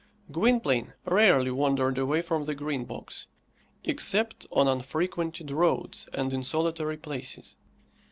Gwynplaine rarely wandered away from the Green Box, except on unfrequented roads and in solitary places.